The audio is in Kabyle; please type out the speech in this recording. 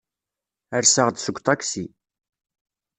Rseɣ-d seg uṭaksi.